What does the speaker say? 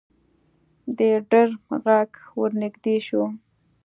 د ډرم غږ ورنږدې شو.